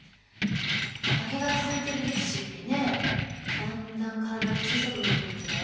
負けが続いてる力士ってねだんだん体が小さく見えてくるんだよ。